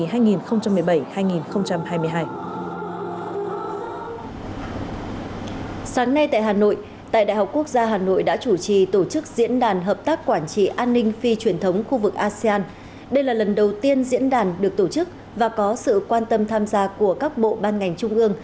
sáng nay tại hà nội tại đại học quốc gia hà nội đã chủ trì tổ chức diễn đàn hợp tác quản trị an ninh phi truyền thống khu vực asean đây là lần đầu tiên diễn đàn được tổ chức và có sự quan tâm tham gia của các bộ ban ngành trung ương